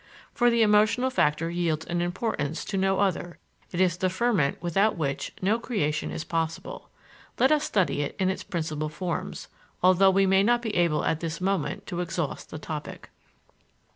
For, the emotional factor yields in importance to no other; it is the ferment without which no creation is possible. Let us study it in its principal forms, although we may not be able at this moment to exhaust the topic.